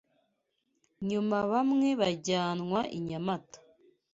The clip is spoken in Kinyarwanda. nyuma bamwe bajyanwa i Nyamata